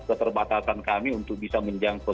keterbatasan kami untuk bisa menjangkau